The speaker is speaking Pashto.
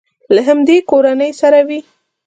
له همدې کورنۍ سره وي.